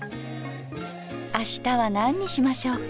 あしたは何にしましょうか。